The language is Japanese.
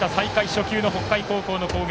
初球の北海高校の攻撃。